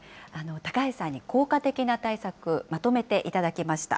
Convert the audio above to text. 高橋さんに効果的な対策、まとめていただきました。